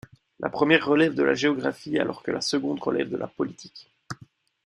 La première relève de la géographie alors que la seconde relève de la politique.